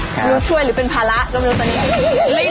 รู้ช่วยหรือเป็นภาระร่วมรู้ตัวนี้